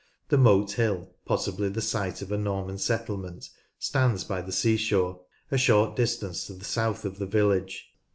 The Mote Hill, possibly the site of a Norman settlement, stands by the sea shore, a short distance to the south of the village.